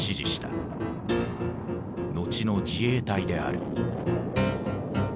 後の自衛隊である。